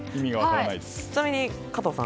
ちなみに、加藤さん